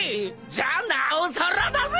じゃなおさらだぜ！